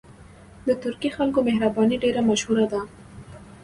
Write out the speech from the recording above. د ترکي خلکو مهرباني ډېره مشهوره ده.